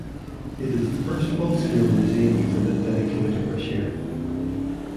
It is the first full-scale museum exhibit dedicated to Brashear.